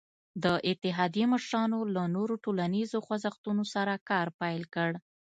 د اتحادیې مشرانو له نورو ټولنیزو خوځښتونو سره کار پیل کړ.